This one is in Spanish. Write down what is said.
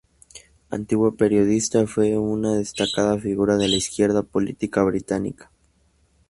Antiguo periodista, fue una destacada figura de la izquierda política británica.